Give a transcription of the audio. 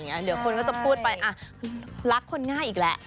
เดี๋ยวคนก็จะพูดไปรักคนง่ายอีกแหละ